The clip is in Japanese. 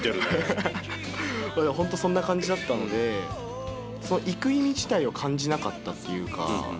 でも本当そんな感じだったので行く意味自体を感じなかったっていうか。